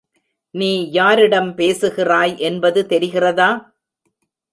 நீ யாரிடம் பேசுகிறாய் என்பது தெரிகிறதா?